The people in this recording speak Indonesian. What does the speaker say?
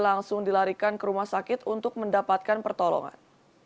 langsung dilarikan ke rumah sakit untuk mendapatkan pertolongan